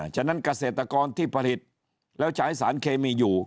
ฉะนั้นเกษตรกรที่ผลิตแล้วใช้สารเคมีอยู่